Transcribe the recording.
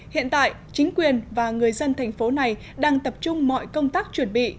hiện tại chính quyền và người dân thành phố này đang tập trung mọi công tác chuẩn bị